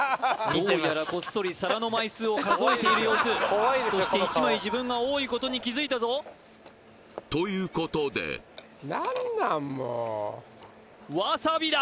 どうやらこっそり皿の枚数を数えている様子そして１枚自分が多いことに気づいたぞということでわさびだ！